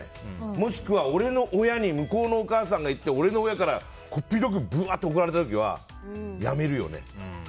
もしくは俺の親に向こうのお母さんが言って俺の親からこっぴどく怒られた時はやめるよね。